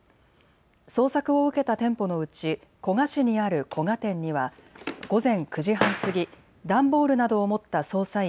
捜索を受けた店舗のうち古賀市にある古賀店には午前９時半過ぎ、段ボールなどを持った捜査員